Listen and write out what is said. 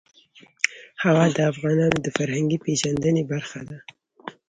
هوا د افغانانو د فرهنګي پیژندنې برخه ده.